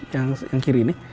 yang kiri ini